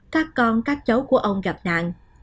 các con các cháu của ông gặp nạn